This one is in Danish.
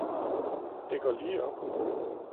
Det går lige op